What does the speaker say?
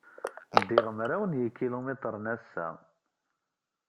Ddiɣ mraw n yikilumitren ass-a.